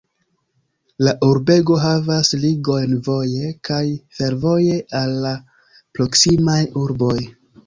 La urbego havas ligojn voje kaj fervoje al la proksimaj urboj.